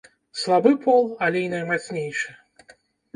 Слабы пол, але і наймацнейшы.